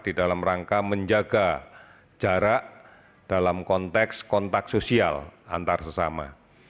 di dalam rangka menjaga jarak dalam konteks kontak sosial antar sesama